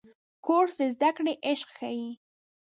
کورس د زده کړې عشق ښيي.